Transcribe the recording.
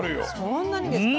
そんなにですか？